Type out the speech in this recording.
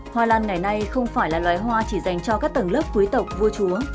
hoa lan ngày nay không phải là loài hoa chỉ dành cho các tầng lớp quý tộc vua chúa